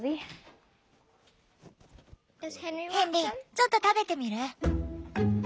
ヘンリーちょっと食べてみる？